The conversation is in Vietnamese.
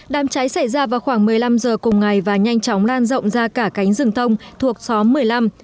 đám cháy xảy ra vào khoảng một mươi năm giờ cùng ngày và nhanh chóng lan rộng ra cả cánh rừng thông thuộc xóm một mươi năm